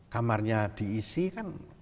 kamarnya diisi kan